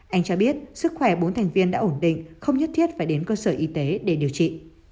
anh cho biết sức khỏe bốn thành viên đã ổn định không nhất thiết phải đến cơ sở y tế để điều trị